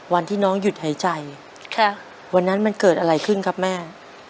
วันที่น้องหยุดหายใจวันนั้นมันเกิดอะไรขึ้นครับแม่